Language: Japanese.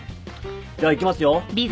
じゃあいきますよ。